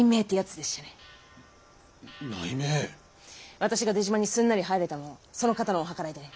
私が出島にすんなり入れたのもその方のお計らいでね。